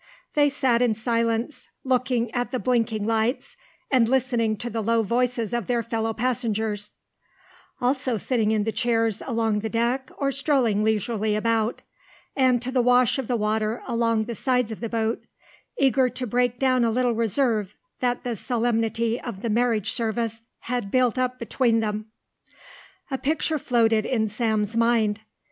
They sat in silence, looking at the blinking lights and listening to the low voices of their fellow passengers, also sitting in the chairs along the deck or strolling leisurely about, and to the wash of the water along the sides of the boat, eager to break down a little reserve that the solemnity of the marriage service had built up between them. A picture floated in Sam's mind.